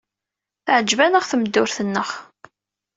Teɛjeb-aneɣ tmeddurt-nneɣ.